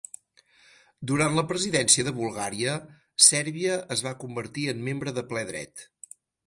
Durant la presidència de Bulgària, Sèrbia es va convertir en membre de ple dret.